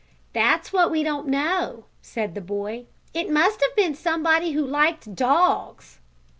"That's what we don't know," said the boy. "It must have been somebody who liked dogs."